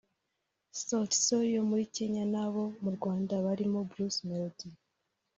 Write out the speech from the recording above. Sauti Sol yo muri Kenya n’abo mu Rwanda barimo Bruce Melodie